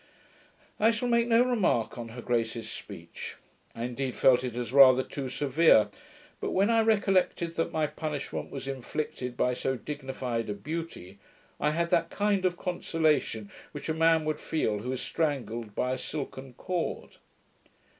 I shall make no remark on her grace's speech. I indeed felt it as rather too severe; but when I recollected that my punishment was inflicted by so dignified a beauty, I had that kind of consolation which a man would feel who is strangled by a SILKEN CORD.